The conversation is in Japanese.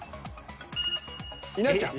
稲ちゃん。